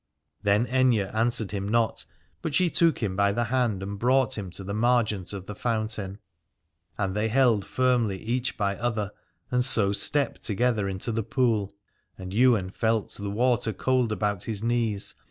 Then Aithne answered him not, but she took him by the hand and brought him to the margent of the fountain. And they held firmly each by other, and so stepped together into the pool : and Ywain felt the water cold about his knees.